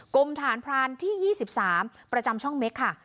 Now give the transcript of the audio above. กรมฐานพรานที่๒๓ประจำช่องเม็กค่ะ